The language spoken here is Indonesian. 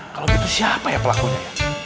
kalau gitu siapa ya pelakunya ya